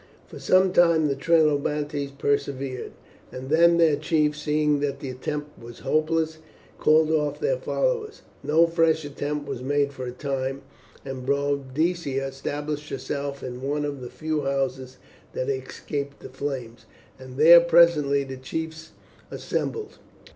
For some time the Trinobantes persevered, and then their chiefs, seeing that the attempt was hopeless, called off their followers. No fresh attempt was made for a time, and Boadicea established herself in one of the few houses that had escaped the flames, and there presently the chiefs assembled.